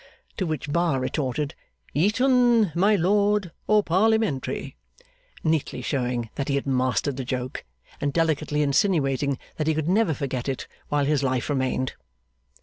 To which Bar retorted, 'Eton, my lord, or Parliamentary?' neatly showing that he had mastered the joke, and delicately insinuating that he could never forget it while his life remained.